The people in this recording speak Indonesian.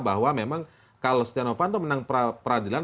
bahwa memang kalau stenovanto menang peradilan